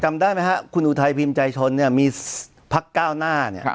กลับได้มั้ยฮะคุณอุทัยพิมพ์ใจชนเนี่ยมีพักเก้าหน้าเนี่ย